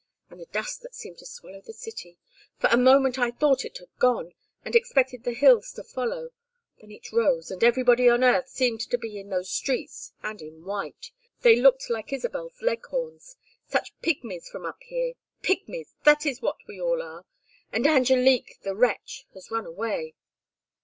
And the dust that seemed to swallow the city. For a moment I thought it had gone, and expected the hills to follow. Then it rose and everybody on earth seemed to be in those streets and in white. They looked like Isabel's Leghorns. Such pigmies from up here. Pigmies! That is what we all are. And Angélique, the wretch, has run away."